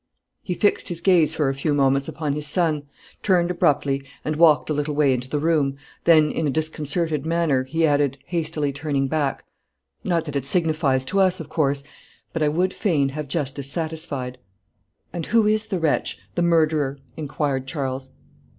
He fixed his gaze for a few moments upon his son, turned abruptly, and walked a little way into the room then, in a disconcerted manner, he added, hastily turning back "Not that it signifies to us, of course but I would fain have justice satisfied." "And who is the wretch the murderer?" inquired Charles.